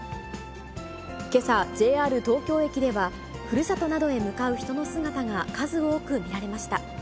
けさ、ＪＲ東京駅では、ふるさとなどへ向かう人の姿が数多く見られました。